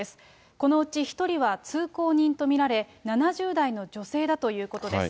このうち１人は通行人と見られ、７０代の女性だということです。